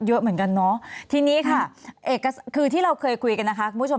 เยอะเหมือนกันเนาะทีนี้ค่ะคือที่เราเคยคุยกันนะคะคุณผู้ชม